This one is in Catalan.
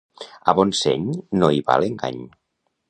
A bon seny no hi val engany.